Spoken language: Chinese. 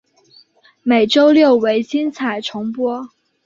每周六为精彩重播。